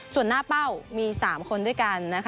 ส่วนหน้าเป้ามี๓คนด้วยกัน